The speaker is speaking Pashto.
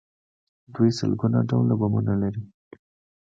دوی سلګونه ډوله بمونه لري.